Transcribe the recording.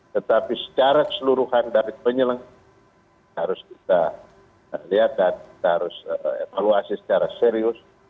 tetapi secara keseluruhan dari penyelenggara harus kita lihat dan kita harus evaluasi secara serius